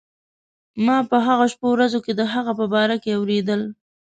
ما په هغو شپو ورځو کې د هغه په باره کې اورېدل.